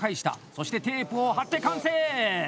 そしてテープを貼って完成！